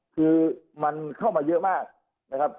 คือมันเข้ามาเยอะมากนะครับ